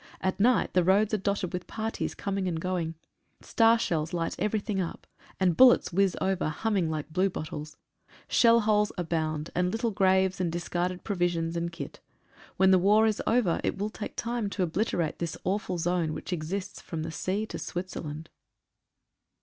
At night the roads are dotted with parties coming and going. Star shells light 100 AFTERMATH OF WAR. everything up, and bullets whizz over, humming like bluebottles. Shell holes abound, and little graves and discarded provisions and kit. When the war is over it will take time to obliterate this awful zone which exists from the sea to Switzerland.